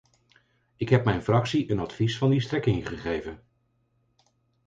Ik heb mijn fractie een advies van die strekking gegeven.